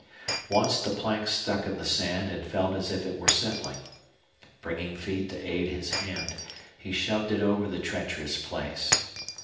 Once the plank stuck in the sand and felt as if it were settling. Bringing feet to aid his hand, he shoved it over the treacherous place.